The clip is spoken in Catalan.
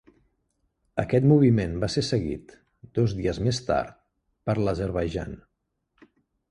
Aquest moviment va ser seguit, dos dies més tard, per Azerbaidjan.